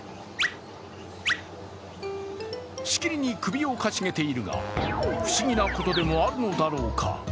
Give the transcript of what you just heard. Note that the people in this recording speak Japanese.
しきりに首を傾げているが、不思議なことでもあるのだろうか。